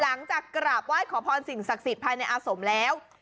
หลังจากกราบไหว้ขอพรสิ่งศักดิ์สิทธิภายในอาสมแล้ว